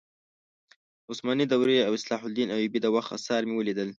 د عثماني دورې او صلاح الدین ایوبي د وخت اثار مې ولیدل.